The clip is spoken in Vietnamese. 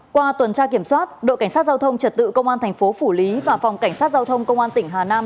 qua tuần tra kiểm soát đội cảnh sát giao thông trật tự công an thành phố phủ lý và phòng cảnh sát giao thông công an tỉnh hà nam